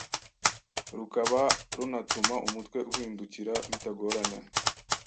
rukaba runatuma umutwe uhindukira bitagoranye